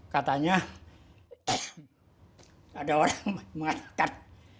katanya ada orang mengatakan